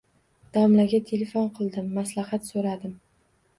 Domlaga telefon qildim, maslahat soʻradim.